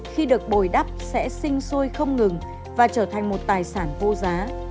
khi được bồi đắp sẽ sinh sôi không ngừng và trở thành một tài sản vô giá